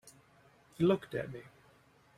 He looked at me.